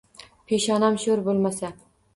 Peshonam sho‘r bo‘lmasa